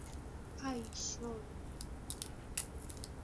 হায় ইশ্বর!